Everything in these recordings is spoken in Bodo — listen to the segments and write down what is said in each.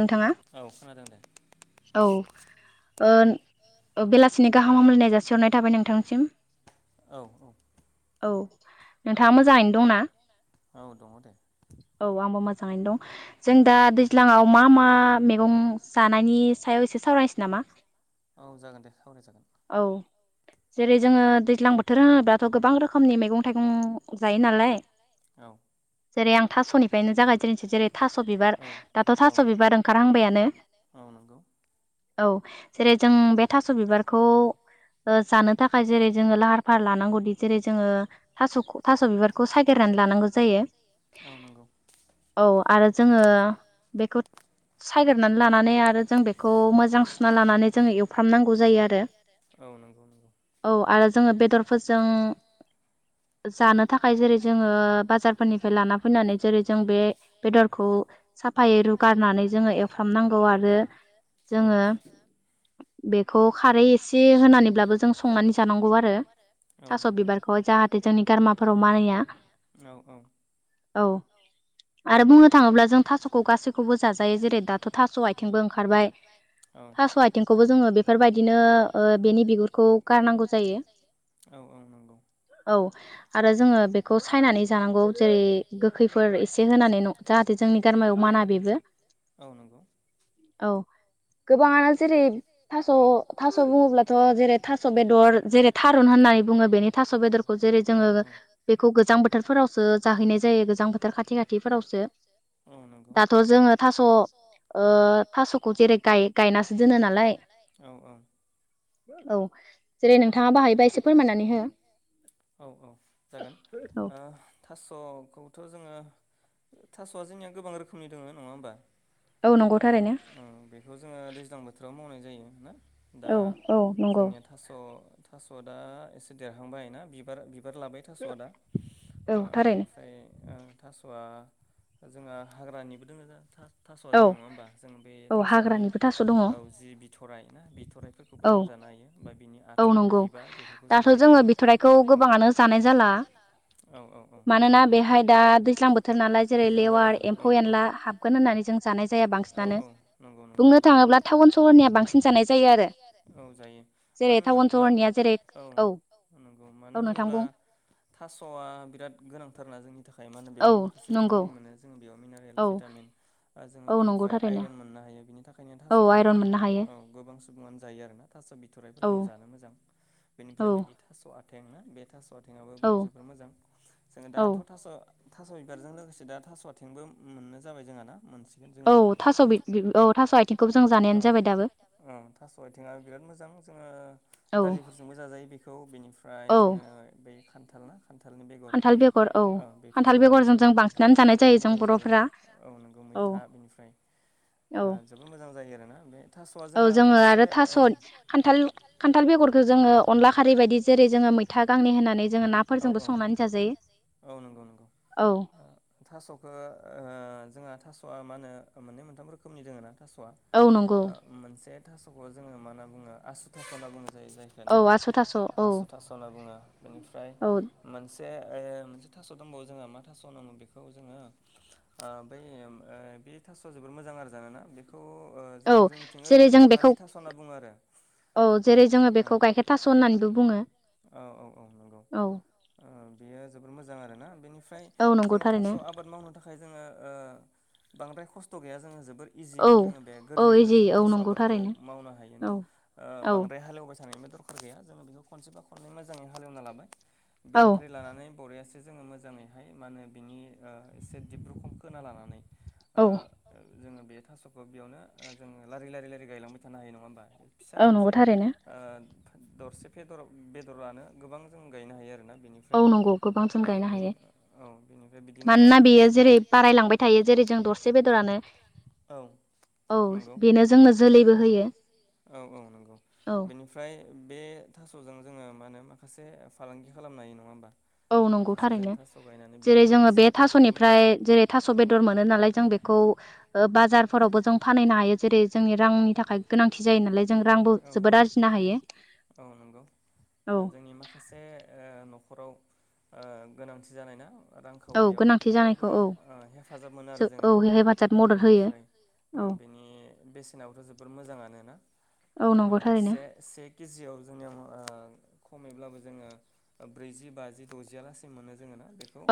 नोंथाङा औ ओ ओ बेलासिनि गाहाम हामलायनाय जासिहरनाय थाबाय नोंथांसिम औ औ औ नोंथाङा मोजांङैनो दंना औ दंङ दे मोजांङै दं जों दा दैज्लाङाव मा मा मैगं जानायनि सायाव एसे सावरायनोसै नामा औ जागोन दे सावराय जागोन जेरै जोंङो दैज्लां बोथोर होनोब्लाथ गोबां रोखोमनि मैगं थाइगं जायो नालाय औ जेरै आं थास'निफ्रायनो जागायजेननोसै जेरै थास' बिबार थास' बिबार ओंखारहांबायानो औ जेरै जों बे थास' बिबारखौ खौ ओ जानो थाखाय जेरै जोंङो लाहार फाहार लानांगौदि जेरै जोंङो थास' थास' बिबारखौ सायगोर नानै लानांगौ जायो औ नंगौ औ आरो जोंङो बेखौ सायग्रोनानै लानानै आरो जों बेखौ मोजां सुना लानानै जोंङो एवफ्रामनांगौ जायो आरो औ नंगौ नंगौ औ आरो जोंङो बेदरफोरजों जानो थाखाय जेरै जोंङो बाजारफोरनिफ्राय लाना फैनानै जेरै जों बे बेदरखौ साफ उफायै रुगारनानै जोंङो एवफ्रामनांगौ आरो जोंङो बेखौ खारै एसे होनानैब्लाबो जों संनानै जानांगौ आरो थास' बिबारखौ जाहाथे जोंनि गारामाफोराव मानैया। औ आरो बुंनो थांङोब्ला जों थास' खौ गासैखौबो जाजायो जेरै दाथ' थास' आथिंबो ओंखारबाय। थास' आथिंखौबो जोंङो बेफोरबायदिनो ओ बेनि बिगुरखौ गारनांगौ जायो। औ औ नंगौ औ आरो जोंङो बेखौ सायनानै जानांगौ जेरै गोखैफोर एसे होनानै नगजा जोंनि गारमायाव माना बेबो औ। गोबाङानो जेरै थास थास बुंङोब्लाथ जेरै थास बेदर जेरै थारुन होननानै बुंङो बेनि थास बेदरखौ जेरै जोंङो बेखौ गोजां बोथोरफोरावसो जाहैनाय जायो गोजां बोथोर खाथि खाथि। थिफोरावसो उम दाथ' जोङो थास' ओ थास'खौ जेरै गाय गायनासो दोनो नालाय औ जेरै नोंथाङाबो हायोबा एसे फोरमायनानै हो। औ औ जागोन ओ थास' अ' खौथ' जोङो थास'आ जोंनिया गोबां रोखोमनि दोङो नङा होमबा? औ नंगौ थारैनो। जोङो दैज्लां बोथोराव मावनाय जायो ना दा जोंनिया थास' थास' दा एसे देरहांबाय ना बिबार बि बिबार लाबाय थास'आ दा ओ बेनिफ्राय ओ थास'आ जोंहा हाग्रानिबो दोङो था-थास'आ जोंङा नङा होमबा जों बे थास'नि थास' दङ बिथ'राय ना बिथ' बिथ'राइफोरखौबो जों जानो हायो बा बिनि आथें बिबार बेफोरखौ जों जायो दाथ' औ ब्ला मानोना बेहाय दा दैज्लां बोथोर नालाय जेरै लेवार एम्फौ एनला हाबगोन होननानै जों जानाय जाया बांसिनानो बुंनो थाङोब्ला टाउन सहरनिया बांसिन जानाय जायो आरो। औ जायो मानो मा औ नंगौ मानो होनोब्ला थास'आ बिराद गोनांथारना जोंनि थाखाय खाय मा होनो बेवहाय माखासे भिटामिन मोनो जोङो बेयाव मिनारेल भिटामिन जोङो बेनिफ्राय आइरन मोननो हायो बेनि थाखाय बेखायनो थास'खौ औ गोबां सुबुङानो जायो आरोना थास' बिथ'राइफोरखौ जानो मोजां ‌ बेनिफ्राय बिदि थास' आथें ना बे थास' आथें आथेङाबो जोबोर मोजां जोङो दाथ' थास' थास' बिबारजों लोगोसे दा थास' आथिंबो मोननो जाबाय जोंहा ना मोनसे औ थास' बि-बि औ थास' आथिंखौबो जों जानायानो जाबाय दाबो। ओ थास' आथिंआ बिराद मोजां जोङो दालिफोरजोंबो जाजायो बेखौ बेनिफ्राय जोङो बे बे खान्थालना खान्थालनि बेगर औ बेफोरजों जानो जोबोद जोबोद मोजां जायो औ नंगौ। मैथा बेनिफ्राय ओ जोबोद मोजां जायो आरोना बे औ जोङो आरो थास' खान्थाल खान्थाल बेगरखो जोङो अनला खारै बायदि जेरै जोङो मैथा गांनै होननानै जोङो नाफोरजोंबो संनानै जाजायो। औ नंगौ नंगौ थास'खो ओ जोंहा थास' ओ आ मा होनो मोननै मोनथाम रोखोमनि दोङो ना थास'आ मोनसे थास'खो जोङो मा होना बुङो आसु थास' होना बुङो। जाय जायखो ना औ आसु थास' होनना बुङो बेनिफ्राय मोनसे से ओ मोनसे थास' दंबावो जोङा मा थास' होनोमोन बेखौ जोङो ओ बै ओ बे थास' जोबोर मोजां आरो जानोना बे बेखौ ओ जों जोंनिथिं ओरैनो नेपालि थास' होनना बुङो आरो। औ जेरै जोङो बेखौ गाइखेर थास' होननानैबो बुङो। औ औ औ नंगौ ओ बेयो जोबोद मोजां मोजां आरोना बेनिफ्राय जोङो थास' आबाद मावनो थाखाय जोङो ओ बांद्राय खस्थ' गैया जोङो जोबोर इजियैनो जोङो बे गोरलैयैनो जों थास' आबादखौ मावनो हायोना ओ बांद्राय हालेवबाय थानाय दरखार गैया जों बेखौ खनसेबा खननै मोजाङै हालेवना लाबाय बेनिफ्राय लानानै बरियासे जोङो मोजाङैहाय मा होनो बिनि ओ एसे दिब रोखम खोना लानानै ओ जोङो बे थास' बेयावनो जोङो लारि लारि लारि गायलांबाय थानो हायो नङा होमबा फिसा मोनसे दरसे फेदर‌ बेदरानो गोबां जों गायनो हायो आरोना। बेनिफ्राय औ बेनि औ बेनिफ्राय बिदिनो थास'खौ जों दरसे बेदरानो औ। नंगौ औ औ नंगौ बेनिफ्राय बे थास'जों जोङो मा होनो माखासे फालांगि खालामनो हायो नङा होमबा औ नंगौ थारैनो जेरै जोङो बे थास'निफ्राय जेरै थास' बेदर मोनो नालाय जों बे खौ ओ बाजारफोरावबो जों फानहैनो हायो जेरै जोंनि रांनि थाखाय गोनां थि जायो नालाय जों रांबो जोबोद आरजिनो हायो जोंनि माखासे ओ न'खराव ओ गोनांथि जानायना रांखावरियाव बेयाव गोबां ओ हेफाजाब मोनो आरो जोङोना बेनिफ्राय ओ बेनि बेसेनाबोथ' जोबोद मोजाङानो ना ओ से से केजियाव जोंनियाव ओ खमैब्लाबो जोङो ब्रैजि बाजि द'जिआ लासे मोनो जोङोना बेखौ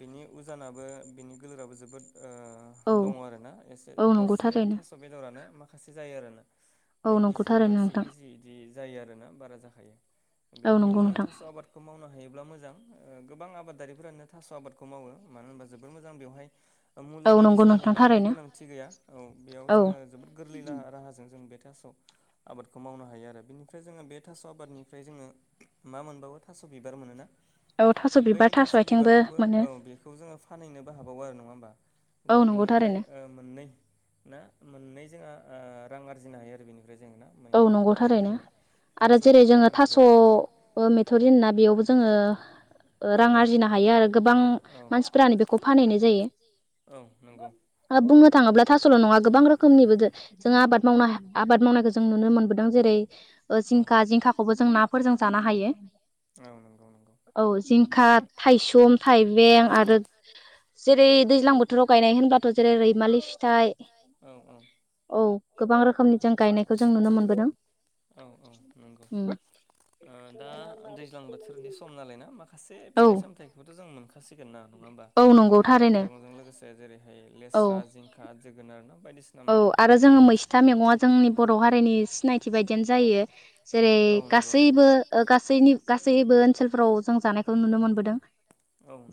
बिनि उजानाबो बिनि गोलोराबो जोबोद ओ दङ आरोना एसे दरसे थास' बेदरानो माखासे जायो आरोना नै केजि बा से केजि बिदि जायो आरोना बारा जाखायो बेनिखायनो जोङो थास' आबादखौ मावनो हायो ब्ला मोजां ओ गोबां आबादारिफोरानो थास' आबादखौ मावो मानो होनबा जोबोर मोजां बेवहाय मुलि बायदिसिनानि बांद्राय गोनांथि गैया औ बेयाव जोङो जोबोद गोरलै लाहा राहाजों जों बे थास' आबादखौ मावनो हायो आरो बेनिफ्राय जोङो बे थास' आबादनिफ्राय जोङो मा मोनबाव थास' बिबार मोनोना औ था बै थास' बिबारखौबो औ बेखौ जोङो फानहैनोबो हाबावो आरो नङा होमबा जोङो बेनिफ्राय ओ मोननै ना मोननै जोंहा ओ रां आरजिनो हायो आरो बेनि औ नंगौथारैनो आरो जेरै जोङो थास' मेथ'रि होननोना बेखौबो जोङो ओ रां आरजिनो हायो आरो गोबां मानसिफ्रानो बेखौ फानहैनाय जायो बुंनो थाङोब्ला थास'ल' नङा गोबां रोखोमनिबो जों आबाद मावनो हा आबाद मावनायखौ जों नुनो मोनबोदों जेरै जिंखा जिंखाखौबो जों नाफोरजों जानो हायो औ औ जिंखा थाइसुम थाइबें आरो जेरै दैज्लां बोथोराव गायनाय होनबाथ' जेरै रैमालि फिथाइ औ गोबां रोखोमनि जों औ औ नंगौ ओ दा दैज्लां बोथोरनि सम नालाय ना माखासे फिथाइ सामथायखौबोथ' जों मोनखासिगोन ना नङा होमबा मैगं थाइगंजों लोगोसे जेरैहाय लेस्रा जिंखा जोगोनार ना औ आरो जोङो मैस्था मैगं‌आ जोंनि बर' हारिनि सिनायथि बायदियानो जायो जेरै गासैबो गासैनि गासैबो ओनसोलफोराव जों जानायखौ नुनो मोनबोदों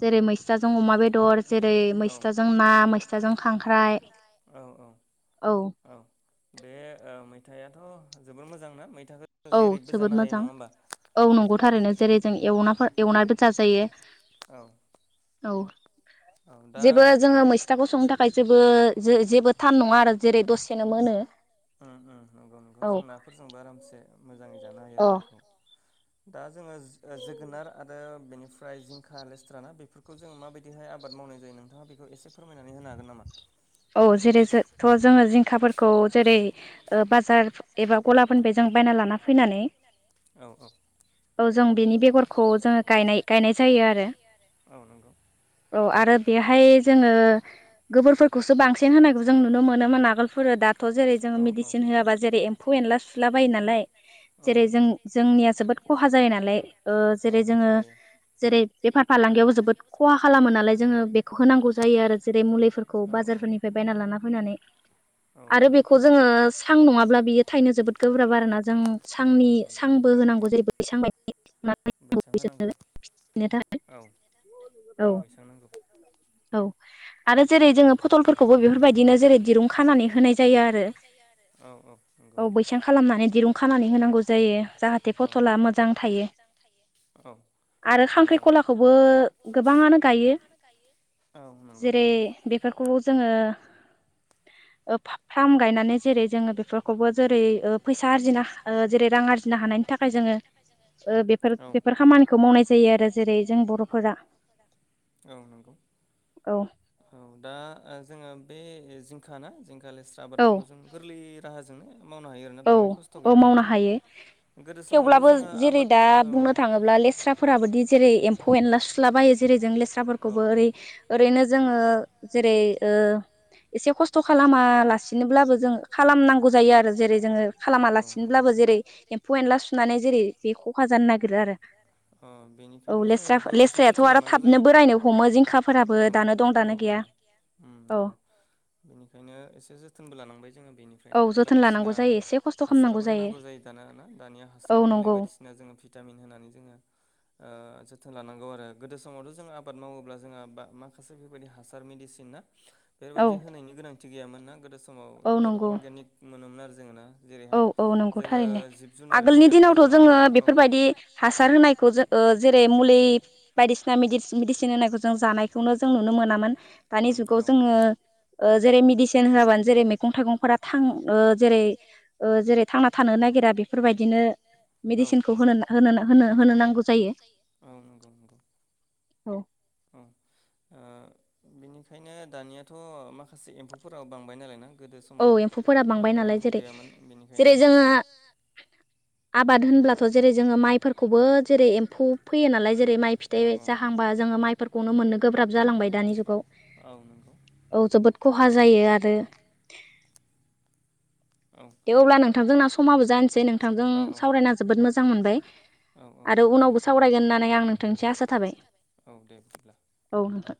जेरै मैस्थाजों अमा बेदर जेरै मैस्थाजों ना मैस्थाजों खांख्राइ औ औ औ बे ओक् मैथायाथ' जोबोर मोजांना मैथा औ जोबोद मोजां औ नंगौ थारैनो जेरै एवना‌फोर एवना‌बो जाजायो औ औ जेबो जोङो मैस्थाखौ संनो थाखाय जेबो जेबो थान नङा आरो जेरै दसेनोमोन ओं ओं नंगौ नंगौ जों नाफोरजोंबो आरामसे मोजाङै जानो हायो आरो बेखौ दा जोङो जोगोनार आरो बेनिफ्राय जिंखा लेस्रा ना बेफोरखौ जों माबायदिहाय आब आबाद मावनाय जायो नोंथाङा बेखौ एसे फोरमायनानै होनो हागोन नामा औ जेरै थ' जोङो जिंखाफोरखौ जेरै ओ बाजार एबा औ औ औ जों बेनि बेगरखौ जोङो गायनाय गायनाय जायो आरो औ आरो बेहाय जोङो गोबोरफोर खौसो बांसिन होनायखौ जों नुनो मोनोमोन आगोलफोर दाथ' जेरै जों मेदिसिन होआबा जेरै एम्फौ एनला सुला बायो नालाय जेरै जों जोंनिया जोबोद खहा जायो नालाय ओ जेरै जोङो जेरै बेफार फालांगियावबो जोबोद खहा खालामो नालाय जोङो बेखौ होनांगौ जायो आरो जेरै मुलिफोर बाजारफोरनिफ्राय बायना लाना फैनानै आरो बेखौ जोङो सां नङाब्ला बियो थाइनो जोबोद गोब्राब बारोना जों सांनि सांबो होनांगौ जेरै बैसां बानानै बेसेबां होनांगौ [inaudible] औ बेैसां नागौ आरो आरो जेरै जोङो फटलफोरखौबो बेफोरबायदिनो जेरै दिरुं खानानै होनाय जायो आरो औ औ नंगौ बैसां खालामनानै दिरुं खानानै होनांगौ जायो जाहाथे फटला मोजां थायो औ आरो खांख्रिखलाखौबो गोबाङानो गायो जेरै बेफोरखौ जोङो ओ फा फार्म गायनानै जेरै जोङो बेफोरखौबो जेरै ओ फैसा आरजिनो जेरै रां आरजिनो हानायनि थाखाय जोङो ओ ओ बेफोर बेफोर खामानिखौ मावनाय जायो आरो जेरै जों बर'फोरा औ नंगौ औ दा ओ जोङो बे जिंखा ना जिंखा लेस्रा आबादफोरखौ जों गोरलै राहाजोंनो मावनो हायो आरोना बांद्राय खस्थ' गैया जोंनिया ना औ मावनो हायो थेवब्लाबो जेरै दा बुंनो थाङोब्ला लेस्राफोराबोदि जेरै एम्फौ एनला सु सुलाबायो जेरै जों लेस्राफोरखौबो ओरै ओरैनो जोङो जेरै ओ एसे खस्थ' खस्थ' खालामालासिनोब्लाबो जों खालामनांगौ जायो आरो जेरै जोङो खालामालासिनोब्लाबो जेरै एम्फौ-एनला सुनानै जेरै बे खहा जानो नागिरो आरो औ लेस्रा लेस्रायाथ' आरो थाबनो बोरायनो हमो जिंखाफोराबो दानो दं दानो गैया औ बेनिखायनो एसे जोथोनबो लानांबाय जोङो बेनिफ्रायनो बायदिसिना हासारबो होनांगौ जायो दाना ना दानिया हासार मुलि बायदिसिना जोङो भिटामिन होनानै जोङो ओ जोथोन लानांगौ आरो गोदो समावथ' जों आबाद मावोब्ला जोंहा बा माखासे बेफोरबायदि हासार मेडिसिन ना बेबायदि होनायनि गोनांथि गैयामोन ना गोदो समाव जबोद अरगानिक मोनोमोन आरो जोङो ना औ औ नंगौ थारैनो आगोलनि दिनावथ' जोङो बेफोरबायदि हासार होनायखौ जों जेरै मुलि बायदिसिना मेदिसिन होननायखौ जों जानायखौनो जों नुनो मोनामोन दानि जु जुखौ ओ जोङो जेरै मेदिसिन होआबानो जेरै मैगं थाइगंफोरा थां ओ जेरै जेरै थांना थानो नागिरा बेफोरबायदिनो मेडिसिनखौ होनो होन होनो होनो नांगौ जायो। औ नंगौ नंगौ औ ओ बेनिखायनो दानियाथ' माखासे एम्फौफोराव बांबाय नालाय ना गोदो समाव बांद्राय एम्फौ गैयामोन बेनिखायनो जेरै जोङो आबाद होनब्लाथ' जेरै जोङो माइफोरखौबो जेरै एम्फौ फैयो नालाय जेरै माइ फिथाइ जाहांबा जों ओं माइफोरखौनो मोननो गोब्राब जालांबाय दानि जुगाव औ नंगौ औ जोबोद खहा जायो आरो [unintelligible] दे अब्ला नोंथांजोंना समाबो जानोसै नोंथांजों सावरायना जोबोद मोजां मोनबाय आरो उनावबो सावरायगोन होननानै आं नोंथांनिस आसा थाबाय औ नोंथां